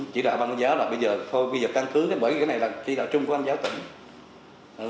chỉ đạo băng giáo là bây giờ thôi bây giờ căng thướng bởi vì cái này là chỉ đạo trung của băng giáo tỉnh